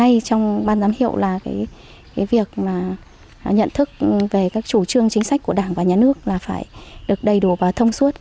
ngay trong ban giám hiệu là cái việc mà nhận thức về các chủ trương chính sách của đảng và nhà nước là phải được đầy đủ và thông suốt